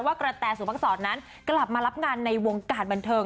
กระแตสุภักษรนั้นกลับมารับงานในวงการบันเทิง